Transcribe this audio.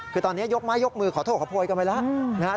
คือตอนนี้ยกมือขอโทษข้าพ่อยกันไปแล้ว